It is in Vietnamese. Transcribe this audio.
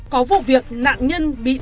có vụ việc nạn nhân bị chết